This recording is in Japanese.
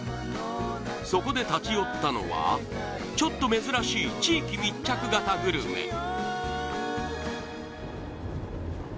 そこで立ち寄ったのはちょっと珍しい地域密着型グルメ